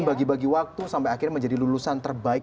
bagi bagi waktu sampai akhirnya menjadi lulusan terbaik